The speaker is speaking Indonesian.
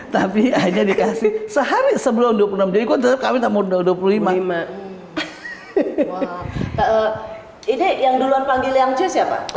tapi aja dikasih sehari sebelum dua puluh enam dikontrol kami tamu dua puluh lima ini yang duluan panggil yang siapa